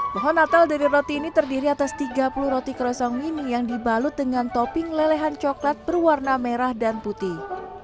pohon natal dari roti ini terdiri atas tiga puluh roti kerosong mini yang dibalut dengan topping lelehan coklat berwarna merah dan putih